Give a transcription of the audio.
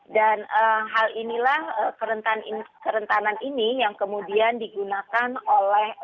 dan hal inilah kerentanan ini yang kemudian digunakan oleh